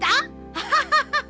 アハハハハ！